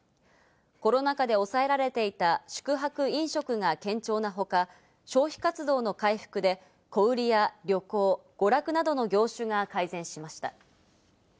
コロナ禍で抑えられていた宿泊・飲食が堅調なほか、消費活動の回復で、小売りや旅行、娯楽などの業種が改善しました。